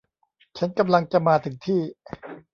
ฉันกำลังจะมาถึงที่